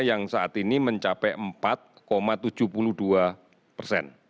yang saat ini mencapai empat tujuh puluh dua persen